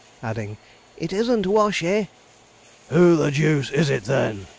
adding, 'it isn't Washey.' 'Who the deuce is it then?'